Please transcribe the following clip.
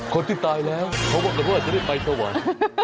คนที่ตายแล้วเขาก็จะได้ไปสวรรค์